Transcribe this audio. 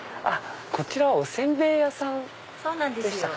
こちらはお煎餅屋さんでしたか！